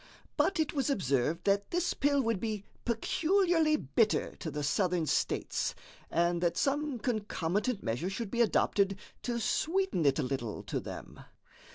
But it was observed that this pill would be peculiarly bitter to the Southern States, and that some concomitant measure should be adopted to sweeten it a little to them.